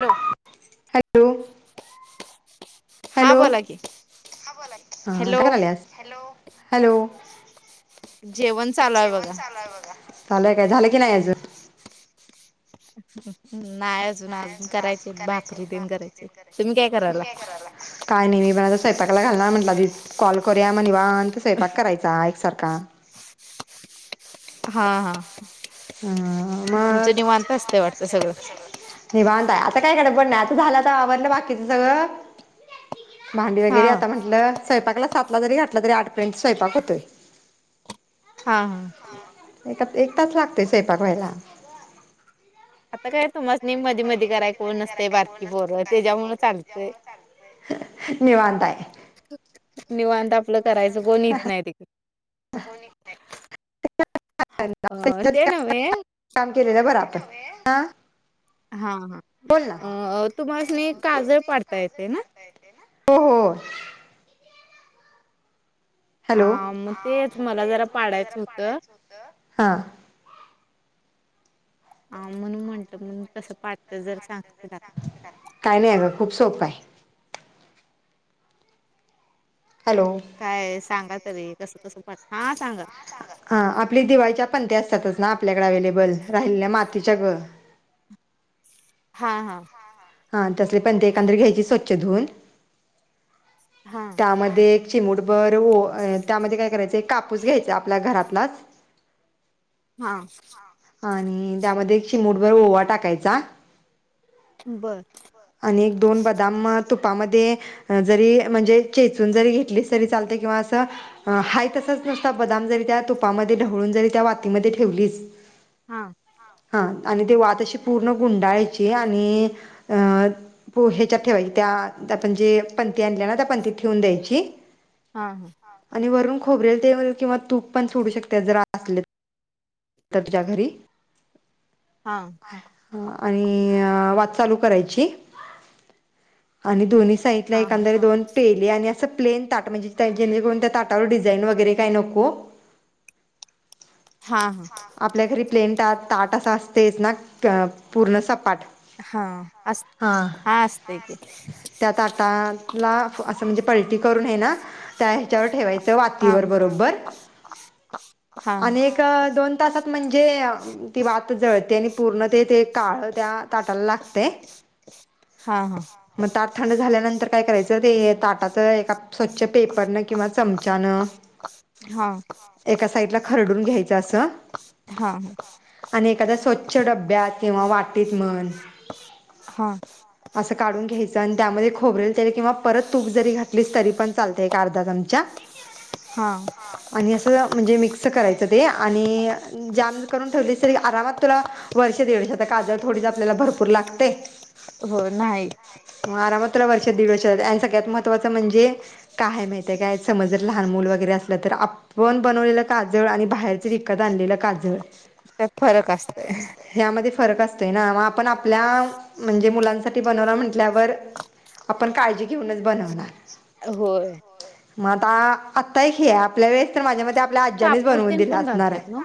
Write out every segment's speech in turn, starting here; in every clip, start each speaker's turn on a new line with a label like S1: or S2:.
S1: Hello.
S2: Hello.
S1: हां
S2: hello
S1: बोला की.
S2: हा काय
S1: हॅलो
S2: करायल्यास? हॅलो. हॅलो.
S1: जेवण चालू आहे बघा.
S2: चालू आहे काय. झालं की नाही अजून?
S1: नाही अजून. अजून करायचे आहेत. भाकरी तेन करायचे आहेत. तुम्ही काय करायला?
S2: काय नाही. मी बाराला स्वयंपाकाला घालणार म्हटला आधी कॉल करूया. मग निवांत स्वयंपाक करायचा एकसारखा.
S1: हा हा
S2: अं
S1: तुमचं
S2: मग
S1: निवांत असत वाटत सगळं.
S2: निवांत आहे. आता काय गडबड नाही. आता झालं तर आवरलं बाकीचं सगळं. भांडी
S1: हा
S2: वगैरे. आता म्हटलं स्वयपाकला सातला जरी घातलं तरी आठपर्यंत स्वयपाक होतोय.
S1: हा हा.
S2: एक तास लागते सैपाक व्हायला.
S1: आता काय समज नाही मधी मधी कराय कोण असते बारकी पोर त्याच्यामुळ चालतंय.
S2: निवांत आहे
S1: निवांत आपलं करायचं कोण येत नाही ते. अ. ते नव्हे.
S2: काम केलेलं बरं आपण आ.
S1: हा हा, अ तुम्हास्नी काजळ पाडता येते ना?
S2: हो हो.
S1: अ
S2: हॅलो
S1: मग तेच मला जरा पाडायचं होतं.
S2: ह.
S1: ह म्हणून म्हणटलं म्हण कसं पाडतात जरा सांगशीला?
S2: काय नाही आहे ग खूप सोपय. हॅलो.
S1: काय सांगा तरी कस तसंट हा सांगा. [inaudible] [unintelligible]
S2: हा आपली दिवाळीच्या पंते असतातच ना आपल्याकडे अवे्लेबल राहिलेल्या मातीच्या ग.
S1: हा हा.
S2: हां तसले पण ते एकंदी घ्यायची स्वच्छ धवून.
S1: हा.
S2: त्यामध्ये चिमुटबर त्यामध्ये काय करायचं कापूस घ्यायचा आपल्या घरातलाच.
S1: हा.
S2: आणि त्यामध्ये एक चीमुटभर ओवा टाकायचा.
S1: बरं.
S2: आणि दोन बदाम तुपामध्ये जरी म्हणजे चेचून जरी घेतलीस तरी चालते किंवा असं हा तसच नुसता बदाम जरी त्या तुपामध्ये ढवळून जरी त्या वातीमध्ये ठेवलीच.
S1: हा.
S2: हा आणि ते वात अशी पूर्ण गुंडाळाची आणि अ प ह्याच्यात त्या आपण पंथी आणल्या ना, त्या पंथीत ठेवून द्यायची.
S1: हा हा.
S2: आणि वरून खोबरेल ते किंवा तूप पण सोडू शेकटेस. तर तुझ्या घरी.
S1: हा.
S2: आणि वात चालू करायची आणि दोन्ही साईटला
S1: हा
S2: एखाद्या वेळी पेली आणि प्लेन ताट असं म्हणजे त्यां जणेकरून त्या ताटावर डिझाईन वगैरे काय नको.
S1: हा हा.
S2: आपल्या ताट असं असतेच ना पूर्ण सपाट.
S1: हा अस
S2: हां
S1: हा असते की.
S2: ला असं म्हणजे पलटी करून आहे ना. त्या ह्याच्यावर ठेवायचं
S1: हा
S2: वातीवर बरोबर
S1: हा
S2: आणि दोन तासात म्हणजे ती वात जळते आणि पूर्ण ते ते काळ त्या ताटाला लागते.
S1: हा हा.
S2: ल्यानंतर काय करायचं ते ताटाच एका पूर्ण स्वच्छ पेपरन किंवा चमचान.
S1: हा
S2: एका साईडला खरडून घ्यायच अस.
S1: हा
S2: आणि एखादा स्वच्छ डब्यात किंवा वाटीत म्हण.
S1: हा.
S2: असं कडून घ्यायचं आणि त्यामध्ये खोबरेल तेल किंवा त तूप जरी घातली तरी पण चालते अर्धा चमचा.
S1: हा
S2: आणि असं म्हणजे मिक्स करायचं ते आणि जाम करून ठेवली अस तरी आरामात तुला. वर्ष दीडवर्ष काजळ थोडीच आपल्याला भरपूर लागते.
S1: हो नाही.
S2: आरामात्र वर्षा दीड वर्षा आणि सगळ्यात महत्वाचं म्हणजे काय माहिती आहे काय समज जर लहान मुल वगैरे असलं तर आपण बनवलेलं काजळ आणि बाहेर. बाहेरचे विकत आणलेलं काजळ.
S1: त्यात फरक असत.
S2: ह्यामध्ये फरक असतो ना आपण म्हणजे मुलांसाठी. ते बनवणार म्हटल्यावर आपण काळजी घेऊनच बनवणार
S1: होय.
S2: मग आता आत्ता ही आपल्या वेळेस तर माझ्या मते आपल्या आज्ज्यानेच
S1: कापूर
S2: बनवून
S1: तेन
S2: दिले
S1: पण
S2: असेल.
S1: घालतात ना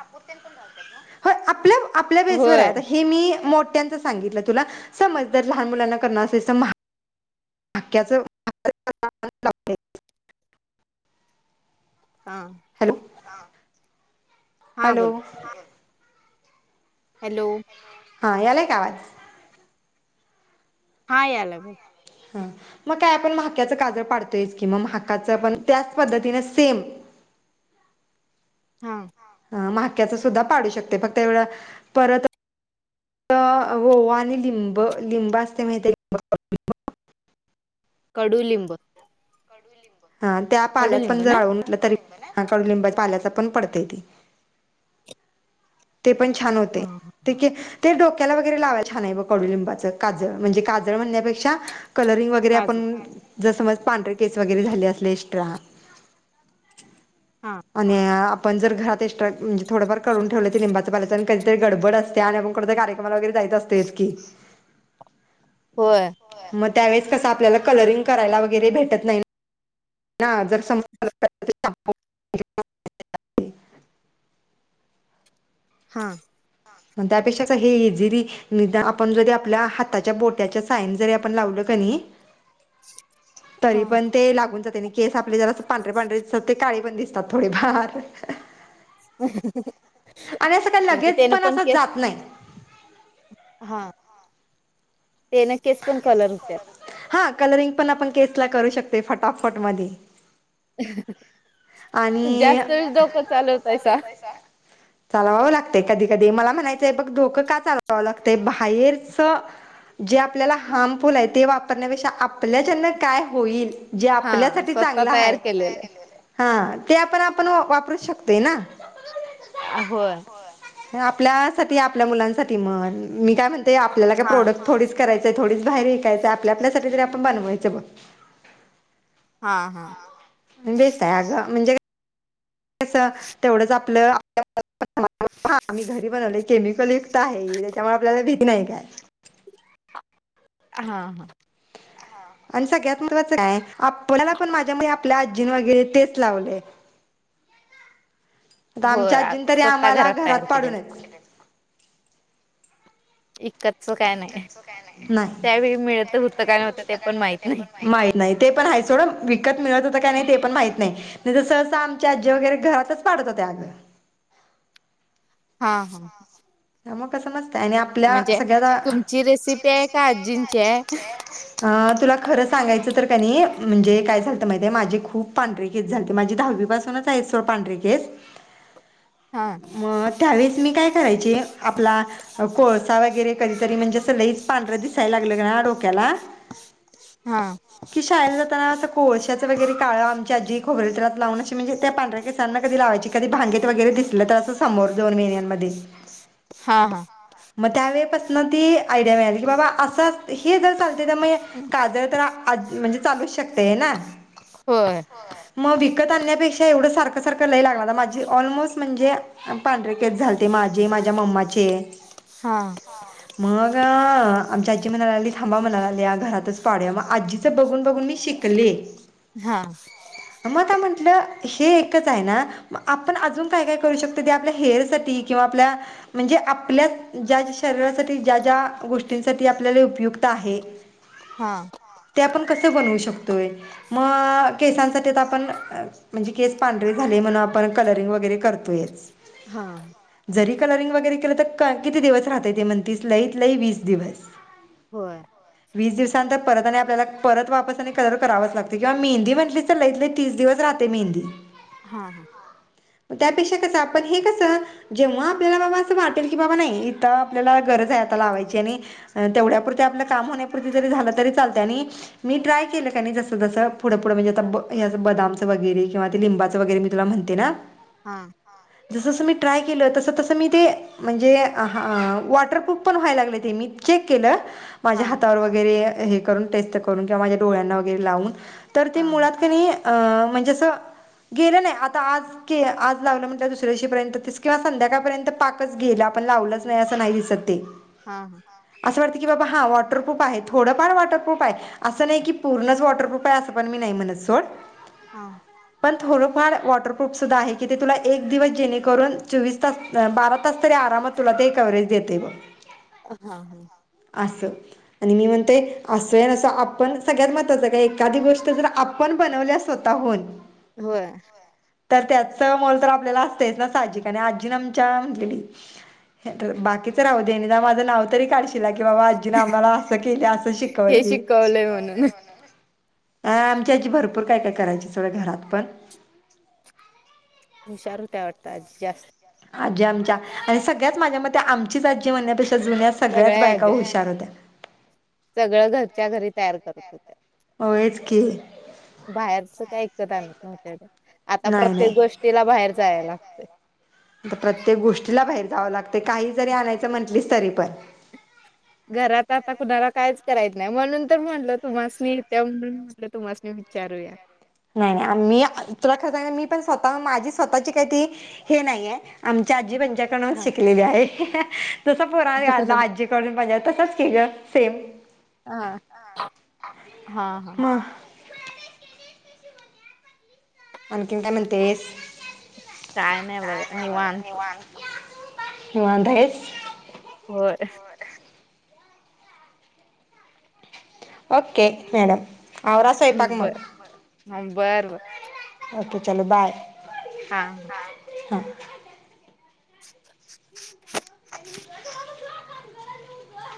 S2: आपल्या आपल्या बेसवर
S1: होय
S2: आहे. हे मी मोठ्यांचं सांगितलं तुला समज लहान मुलांना कर असे. माक्याचं
S1: हा
S2: हॅलो
S1: हा
S2: हॅलो
S1: बोला हॅलो
S2: हा यालाय का आवाज?
S1: हा यायला बोल
S2: हा मग काय आपण मक्याचं काजळ पाडतोयच कि मग म्हकाचं पण त्याच पद्धतीने सेम
S1: हा
S2: हा मक्याच सुद्धा पाडू शकते फक्त परत हो ओवा आणि लिंब, लिंब असते माहती आहे. [inaudible]
S1: कडूलिंब.
S2: हा त्या पाल्याच
S1: कडुलिंब
S2: पण
S1: ना
S2: जाळून तरी कडुलिंबा पाल्याच पण पडतय ते ते पण छान होते.
S1: हा
S2: ते ते डोक्याला वगैरे लावायला छान आहे कडुलिंबाचं काजळ म्हणजे काजळ म्हणण्यापेक्षा कलरिंग वगैरे
S1: काजू
S2: आपण जस पांढरे केस वगैरे झाले असले एक्स्ट्रा
S1: हा
S2: आणि आपण जर घरात एक्स्ट्रा थोडंफार काढून ठेवले लिंबाचं पाला कधीतरी गडबड असते आणि आपण कुठंतरी कार्यक्रमाला वगैरे जायेत असतेच की
S1: होय.
S2: मग त्यावेेळेस कसं आपल्याला कलरिंग करायला वगैरे भेटत नाही. [inaudible]
S1: हा
S2: त्यापेक्षाच हे इझीली नि आपण जरी आपल्या हाताच्या बोट्याच्या साइन जरी आपण लावल का नाही.
S1: हा
S2: तरी पण ते लागून जाते आणि केस आपले जला पांढरे पांढरे ते काळी पण दि थोडेफार
S1: [inaudible]
S2: आणि असका
S1: म्हणजे
S2: लगेच
S1: त्यान
S2: पण असं
S1: केस
S2: जात नाही.
S1: हा त्याने केस पण कलर होत्यात.
S2: हा कलरिंग पण आपण केसला करू शकत फटाफट मध्ये आणि
S1: जास्त डोक चालवतायसा.
S2: चालवावं लागत कधी कधी मला म्हणायचंय बघ धोकं का चालवावं लागतय बाहेरच जे आपल्याला हार्मफुल आहे ते वापरण्यापेक्षा आपल्या ज्यांना काय होईल जे
S1: हा
S2: आपल्यासाठी
S1: स्वतः
S2: चांगलं
S1: तयार
S2: आहे.
S1: केलेलं.
S2: हा ते आपण आपण वापरू शकतोय ना
S1: होय
S2: आपल्या साठी आपल्या मुलांसाठी म्हण मी काय म्हणते आपल्याला काय
S1: हा
S2: प्रोडक्ट थोडीच करायच हाय थोडीच बाहेर विककायचं हाय आपल्या आपल्या साठी तरी आपण बनवायचं बघ.
S1: हा हा.
S2: बेस्ट आहे अगं म्हणजे कसं तेवढच आपलं [inaudible] हा आम्ही घरी बनवले केमिकल युक्त आहे त्याच्यामुळे आपल्याला भीती नाही काय.
S1: हा हा.
S2: आणि सगळ्यात महत्त्वाचं काय आपल्याला पण माझ्यामुळे आपल्या आजी वगैरे तेच लावलय आता
S1: होय
S2: आमच्या
S1: आ
S2: आजीन तरी
S1: स्वतः
S2: आम्हाला घरात
S1: तयार केलेलं
S2: पाडूनच
S1: इकतच काय नाही
S2: नाही
S1: त्यावेळी मिळत तर होतं काय नव्हतं ते पण माहित नाही.
S2: माहीत नाही ते पण आहे थोडं विकत मिळत होतं का नव्हत ते पण माहीत नाही. नाही तर सहसा आमची आजी वगैरे घरातच पाडत होत्या आगं.
S1: हा हा.
S2: त्या मूळ कसं नसतय आणि आपल्या
S1: म्हणजे
S2: सगळ्याला. तुमची
S1: आहे
S2: रेसिपी हाय का
S1: आजींची आहे?
S2: आजी हाय. अ तुला खरं सांगायचं तर कनय म्हणजे काय झालतं माहिती आहे. माझे खूप पांढरे केस झालते माझी दहावी पासूनच. आता नाहीत सोड पांडरी केस
S1: हा
S2: म त्यावेळेस मी काय करायचे आपला. कोळसा वगैरे कधीतरी म्हणजे अस लईच पांढर दिसायला लागलं कनय डोक्याला.
S1: हा.
S2: कि शाळेला जाताना अस कोळश्याचं वगैरे काळं आमची आज्जी खोबर तेलात आस लावून. म्हणजे त्या पांधरा केसांना कधी लावायची कधी भांगेत वगैरे दिसलं तर असं समोर दोन वेन्यां मध्ये.
S1: हां हां.
S2: म त्यावेळे पासन ती आयडिया मिळाली की बाबा असं हे जर चालतय तर म हे काजळ तर म्हणजे चालूच शकतय ना.
S1: होय
S2: होय म विकत आणण्यापेक्षा एवढं सारखं सारखं लय लागला माझी ऑलमोस्ट. म्हणजे पांढरे केस झालते माझे माझ्या मम्माचे
S1: हा
S2: मग आमची आजी म्हणायला लागली थांबा म्हणाला लागली घरातच पडूया म आजीचं बघून बघून मी शिकले शिकले.
S1: हा.
S2: म आता म्हटलं हे एकच आहे ना म आपण अजून. काय काय करू शकतोय ते आपल्या हेअर साठी किंवा आपल्या म्हणजे आपल्या ज्या शरीरासाठी ज्या ज्या गोष्टींसाठी आपल्याला उपयुक्त आहे. हम
S1: हा.
S2: ते आपण कसे बनवू शकतोय. मग केसांसाठी आता आपण म्हणजे केस पांढरे झाले म्हणून आपण कलरिंग वगैरे. करतोयच.
S1: हा.
S2: जरी कलरिंग वगैरे केलं तर क किती दिवस राहतय ते म्हणतीस लईत लई वीस दिवस.
S1: होय
S2: वीस दिवसानंतर परत आणि आपल्याला परत वापस आणि कलर करावच लागतय किंवा मेहंदी म्हटली. लईत लई तीस दिवस राहते मेहंदी.
S1: हा हा.
S2: त्यापेक्षा कस आपण हे कसं जेव्हा आपल्याला बाबा असं वाटेल की बाबा नाही इथं आपल्याला गरज हाय आता लावायची आणि अ तेवढ्या पुरत आपलं काम होण्यापुरत जरी झालं तरी चालत आणि मी ट्रायं केलं कां नाहीं जसं जसं पुढं पुढं म्हणजे आंता बदांमचं वगैरें किंवा ते लिंबाचं वगैरें मी तुलां म्हणते नां.
S1: हां.
S2: जसं जसं मी ट्रायं केलं तसं तसं मी ते. म्हणजे वॉटरप्रुफ पणं व्हांयला लागले ते मी चेक केलं. माझ्यां
S1: हा
S2: हातांवर वगैरें हे करूंन टेस्ट करूंन किंवा माझ्यां डोळ्यांना वगैरें लावूंन. तरं ते
S1: हा
S2: मुळांत की अं म्हणजे असं गेलं नाहीं आंता आंज के आंज लावलं म्हटलं दुसऱ्यां पर्यंत संध्याकाळंपर्यंत पाकचं गेलां आपणं नाहीं असं नाहीं दिसतं ते.
S1: हां हां.
S2: असं वाटतं की बाबां हां वॉटरप्रूफ आहे थोडंफार वॉटरप्रूफ आहे. असं नाहीं की पूर्णचं वॉटरप्रूफ आहे असं पणं मी नाहीं म्हणतं सोडं.
S1: हां.
S2: पणं थोडंफार वॉटरप्रुफ सुद्धां आहे की. की ते तुलां एक दिवसं जेणेकरूंन चोवीस तास बारा तास तरी आरामांत तुलां ते कव्हंरेज देते ब हो.
S1: पुन्हां
S2: आसं आणि मी म्हणतोय असोय नं असं आपणं सगळ्यांत महत्वाचं कां एखादी गोष्टं जरं आपणं बनवल्यां स्वंतः स्वंतःहूंन
S1: होयं
S2: तरं त्याचं मोलं तरं आपल्यांला असतंच नां सहाजिक आणि आजीनं आमच्यां म्हटलेली बाकीचं राहूंदे निदांन माझं नांव तरी कांढ कि तिनं बाबां आजीने आम्हांला असं केली असं
S1: हे
S2: शिकवले आहे
S1: शिकवलंय म्हणून
S2: आमच्यां आजी भरंपूर कायं कायं करायची सगळं घरांत पणं
S1: हुंशार होत्यां वाटंतात आजी जास्तं
S2: आजी आमच्या आणि सगळ्यांचं माझ्यां मते आमचीच आजी म्हणण्यांपेक्षा जुन्यां सगळ्यांचं
S1: सगळ्या
S2: बायकां
S1: आज्या
S2: हुशार होत्यां
S1: सगळं घरच्यां घरी तयार करतं होत्यां
S2: होयं चं की
S1: बाहेरचं कायं विकतं आणतं नव्हत्यां त्यां आंता
S2: नाही
S1: प्रत्येक
S2: नाही.
S1: गोष्टींला बाहेर जायांय लागते
S2: प्रत्येक गोष्टीलां बाहेर जावं लागते कांहीं जरी आणायचं म्हंटलीस तरी पणं
S1: घरांत आंता कुणांला कायं चं करांय नाहीं म्हणूंन तरं म्हटलं तुम्हांसनी मी य त्यां म्हणूंन म्हटलं तुम्हांसनी मी विचारूं यां
S2: नाहीं नाहीं मी तुलां खरंच मी पणं स्वंतः माझी स्वंतःची कांहीं ती हे नाहींय आमच्यां आजी पंज्यांकडून
S1: हा
S2: शिकलेली आहे तसं पुरां आजा आजी आजी पंज्या तसंच की गं सेम
S1: हा हा हा
S2: मगं आणंखीन कायं म्हणतेस
S1: कायं नाहीं बंग निवांत
S2: निवांत आहेस
S1: होयं
S2: ओके मॅडम आवरा स्वयंपाक
S1: बरं
S2: मग
S1: बरं बरं
S2: ओके आंताच्यालां चालो बांय
S1: हां हां
S2: हां [unintelligible] [unintelligible]